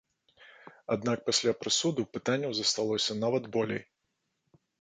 Аднак пасля прысуду пытанняў засталося нават болей.